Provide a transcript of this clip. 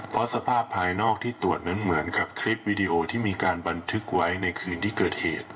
เพราะสภาพภายนอกที่ตรวจนั้นเหมือนกับคลิปวีดีโอที่มีการบันทึกไว้ในคืนที่เกิดเหตุ